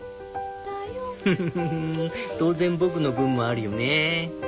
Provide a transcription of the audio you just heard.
「フフフ当然僕の分もあるよね」。